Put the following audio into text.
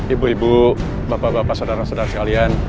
ibu ibu bapak bapak saudara saudara sekalian